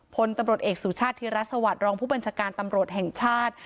พลตำรวจเอกสุชาติธิรัฐสวัสดิรองผู้บัญชาการตำรวจแห่งชาติ